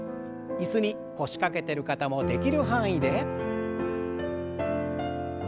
椅子に腰掛けてる方もできる範囲で。